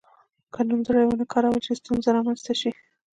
که نومځري ونه کارول شي ستونزه رامنځته شي.